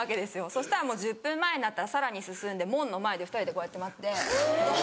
そしたら１０分前になったらさらに進んで門の前で２人でこうやって待って。